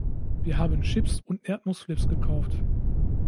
Wir haben Chips und Erdnussflips gekauft.